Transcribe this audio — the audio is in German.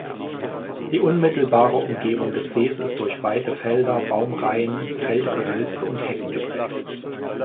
Die unmittelbare Umgebung des Sees ist durch weite Felder, Baumreihen, Feldgehölze und Hecken geprägt.